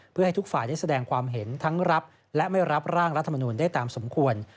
เพื่อให้ทุกฝ่ายได้แสดงความเห็นทั้งรับและไม่รับร่างรัฐมนูลได้ตามสมควร